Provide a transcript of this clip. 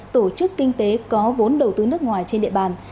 tổ chức kinh tế có vốn đầu tư nước ngoài trên địa bàn